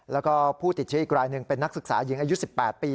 แล้วก็ผู้ติดเชื้ออีกรายหนึ่งเป็นนักศึกษาหญิงอายุ๑๘ปี